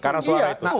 karena suara itu